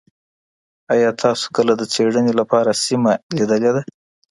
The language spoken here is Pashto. ایا تاسو کله د څېړني لپاره سیمه لیدلې ده؟